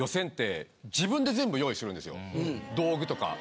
道具とか。